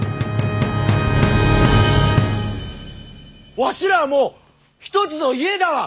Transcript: わしらはもう一つの家だわ！